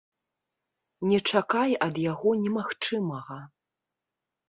Не чакай ад яго немагчымага.